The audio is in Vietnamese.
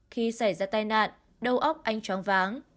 khi xảy ra tai nạn đầu óc anh tróng váng